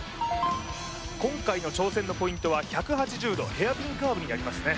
今回の挑戦のポイントは１８０度ヘアピンカーブになりますね